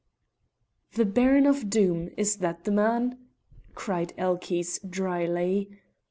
"The Baron of Doom, is that the man?" cried Elchies, dryly.